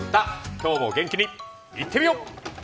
今日も元気にいってみよう！